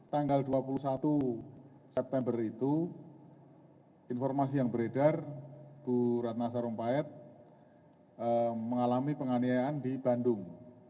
tanggal dua puluh satu september itu informasi yang beredar bu ratna sarumpayat mengalami penganiayaan di bandung